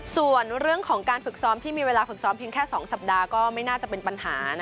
ส่วนเรื่องของการฝึกซ้อมที่มีเวลาฝึกซ้อมเพียงแค่๒สัปดาห์ก็ไม่น่าจะเป็นปัญหา